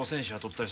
たり